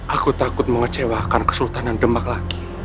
aku takut mengecewakan kesultanan demak lagi